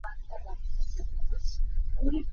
Nihin h zei bantuk nikhua dah a si lai?